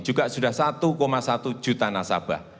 juga sudah satu satu juta nasabah